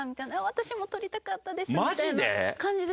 私も撮りたかったですみたいな感じで。